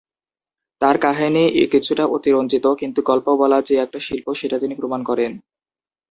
তাঁর কাহিনী কিছুটা অতিরঞ্জিত, কিন্তু গল্প বলা যে একটা শিল্প সেটা তিনি প্রমাণ করেন।